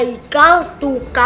hai kau tukang